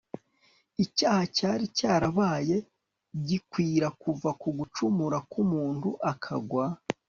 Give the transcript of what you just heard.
icyaha cyari cyarabaye gikwira kuva ku gucumura k'umuntu akagwa